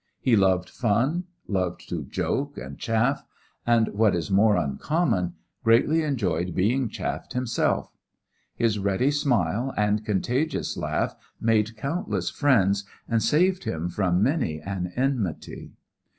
He loved fun, loved to joke and chaff, and, what is more uncommon, greatly enjoyed being chaffed himself. His ready smile and contagious laugh made countless friends and saved him from many an enmity.